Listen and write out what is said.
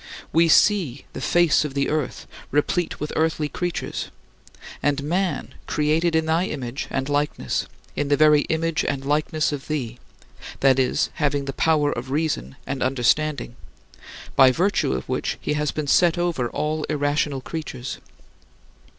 We see the face of the earth, replete with earthly creatures; and man, created in thy image and likeness, in the very image and likeness of thee that is, having the power of reason and understanding by virtue of which he has been set over all irrational creatures.